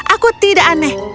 aku tidak aneh